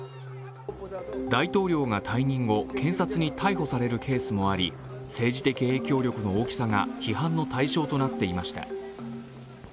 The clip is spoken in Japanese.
大統領が退任後、検察に逮捕されるケースもあり、政治的影響力の大きさが批判の対象となっていました。